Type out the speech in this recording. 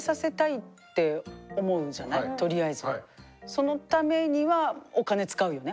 そのためにはお金使うよね早めにね。